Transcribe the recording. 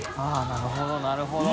なるほどなるほど。